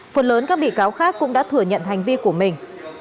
phần lớn các bị cáo khác cũng đã thừa nhận hành vi của mình